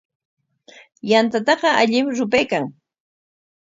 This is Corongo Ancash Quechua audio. Yantataqa allim rupaykan.